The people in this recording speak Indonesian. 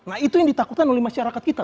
nah itu yang ditakutkan oleh masyarakat kita